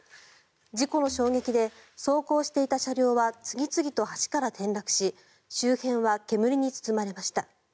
事故の衝撃で走行していた車両は次々と橋から転落し周辺は煙に包まれました。